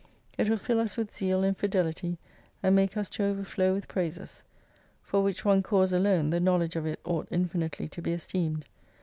It will fill us with zeal and fidelity, and make us to overflow with praises. For which one cause alone the knowledge of it ought infi nitely to be esteemed.